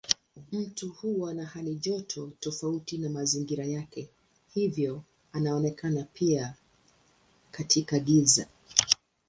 Mtu huwa na halijoto tofauti na mazingira yake hivyo anaonekana pia katika giza.